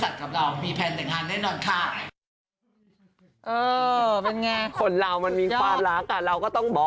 แม่ขออยากเป็นคุณแสดงอีกนิดนึง